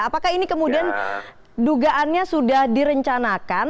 apakah ini kemudian dugaannya sudah direncanakan